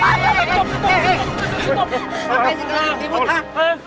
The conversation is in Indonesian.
ngapain sih kalian ribut ha